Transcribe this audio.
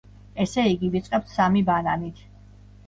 ესე იგი, ვიწყებთ სამი ბანანით.